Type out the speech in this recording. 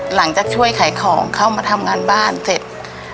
หลังจากช่วยขายของเข้ามาทำงานบ้านเสร็จ